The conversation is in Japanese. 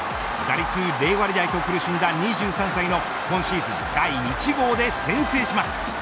打率０割台と苦しんだ２３歳の今シーズン第１号で先制します。